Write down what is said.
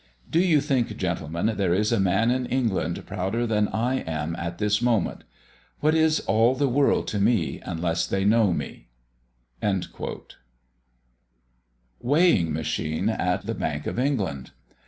Do you, think, gentlemen, there is a man in England prouder than I am at this moment? What is all the world to me, unless they know me?" WEIGHING MACHINE AT THE BANK OF ENGLAND.